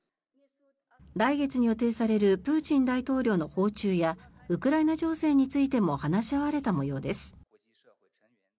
来月に予定されるプーチン大統領の訪中やウクライナ情勢についても話し合われた模様です。